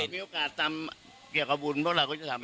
มีโอกาสทำเกี่ยวกับบุญเพราะเราก็จะทำ